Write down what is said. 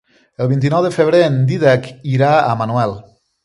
El vint-i-nou de febrer en Dídac irà a Manuel.